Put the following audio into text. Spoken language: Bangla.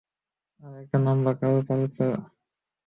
আর একটা লম্বা, কালো-পরচুলা।